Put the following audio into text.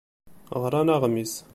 Ɣran aɣmis.